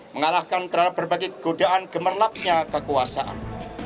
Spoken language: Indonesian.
mengalahkan terhadap berbagai godaan gemerlapnya kekuasaan